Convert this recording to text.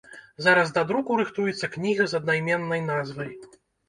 Зараз да друку рыхтуецца кніга з аднайменнай назвай.